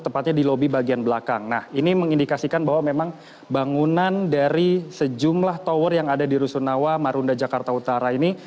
tepatnya di lobi bagian belakang nah ini mengindikasikan bahwa memang bangunan dari sejumlah tower yang ada di rusunawa marunda jakarta utara ini